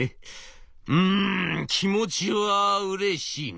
うん気持ちはうれしいが」。